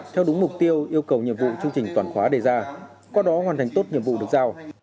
theo đúng mục tiêu yêu cầu nhiệm vụ chương trình toàn khóa đề ra qua đó hoàn thành tốt nhiệm vụ được giao